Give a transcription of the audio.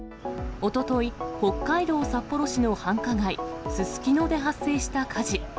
おととい、北海道札幌市の繁華街、すすきので発生した火事。